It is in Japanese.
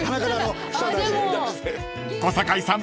［小堺さん